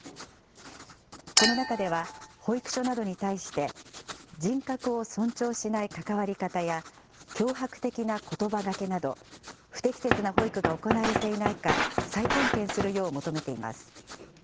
この中では、保育所などに対して、人格を尊重しない関わり方や、脅迫的なことばがけなど、不適切な保育が行われていないか、再点検するよう求めています。